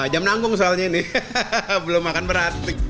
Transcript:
jam nanggung soalnya ini belum makan berarti